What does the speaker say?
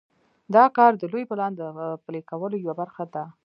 دا کار د لوی پلان د پلي کولو یوه برخه ده.